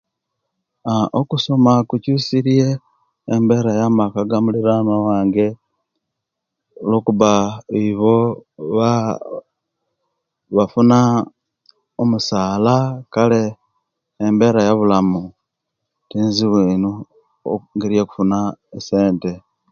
Aah okusoma kukyusirye embera ya'maka gamulirwana wange olwokuba ibo ba bafuna omusaala kale embera yabulamu tinzibu ino engeri eyokufuna esente.